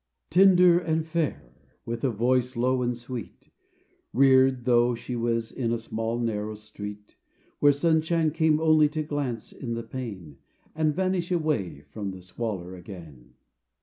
rTIENDER and fair, with a voice low and sweet, J Reared though she was in a small, narrow street, Where sunshine came only to glance in the pane, And vanish away from the squalor again.